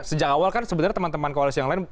sejak awal kan sebenarnya teman teman koalisi yang lain